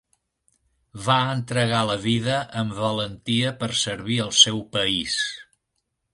Va entregar la vida amb valentia per servir el seu país.